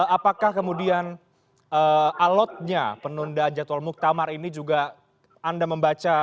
apakah kemudian alotnya penundaan jadwal muktamar ini juga anda membaca